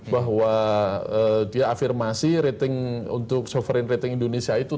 bahwa dia afirmasi rating untuk soverei rating indonesia itu